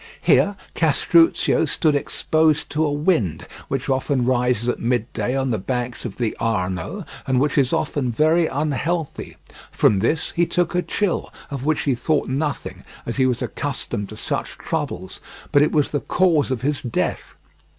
Here Castruccio stood exposed to a wind which often rises at midday on the banks of the Arno, and which is often very unhealthy; from this he took a chill, of which he thought nothing, as he was accustomed to such troubles; but it was the cause of his death.